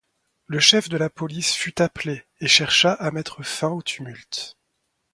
Le chef de la police fut appelé et chercha à mettre fin au tumulte.